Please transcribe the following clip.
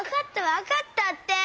わかったって！